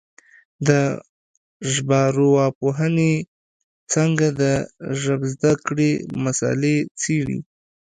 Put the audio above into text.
د ژبارواپوهنې څانګه د ژبزده کړې مسالې څېړي